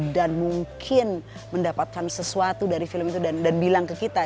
dan mungkin mendapatkan sesuatu dari film itu dan bilang ke kita